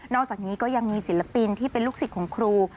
อกจากนี้ก็ยังมีศิลปินที่เป็นลูกศิษย์ของครู